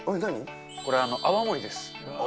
これ、泡盛です。